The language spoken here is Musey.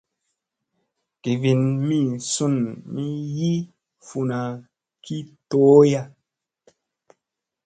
Givin mi sun mi yii funa ki tooya.